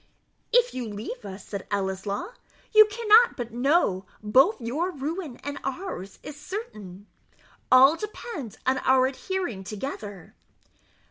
"If you leave us," said Ellieslaw, "you cannot but know both your ruin and ours is certain; all depends on our adhering together."